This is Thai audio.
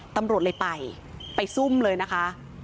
ตำรวจเลยไปไปซุ่มเลยนะคะ